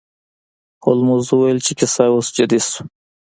هولمز وویل چې کیسه اوس جدي شوه.